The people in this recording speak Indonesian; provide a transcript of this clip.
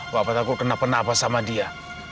wah takut kenapa napa sama dia